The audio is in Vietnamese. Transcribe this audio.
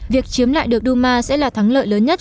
việc chiếm lại được duma sẽ là thắng lợi lớn nhất